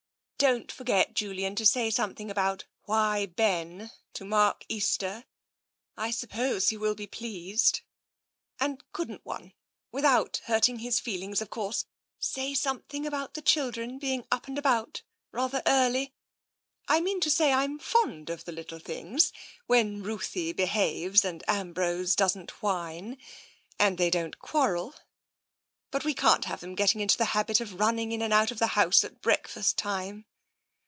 " Don't forget, Julian, to say something about * Why, Ben !' to Mark Easter. I suppose he will be pleased. And couldn't one — without hurting his feel ings, of course — say something about the children being up and about rather early ? I mean to say, I'm fond of the little things, when Ruthie behaves and 12 TENSION Ambrose doesn't whine, and they don't quarrel — but we can't have them getting into the habit of running in and out of the house at breakfast time."